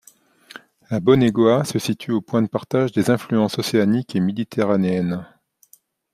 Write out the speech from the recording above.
La Bonaigua se situe au point de partage des influences océanique et méditerranéenne.